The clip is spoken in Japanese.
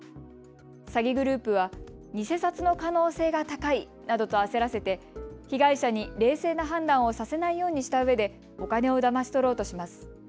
詐欺グループは偽札の可能性が高いなどと焦らせて被害者に冷静な判断をさせないようにしたうえでお金をだまし取ろうとします。